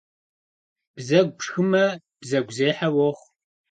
Бзэгу пшхымэ бзэгузехьэ уохъу.